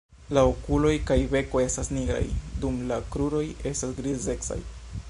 La okuloj kaj beko estas nigraj, dum la kruroj estas grizecaj.